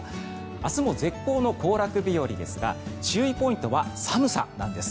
明日も絶好の行楽日和ですが注意ポイントは寒さなんです。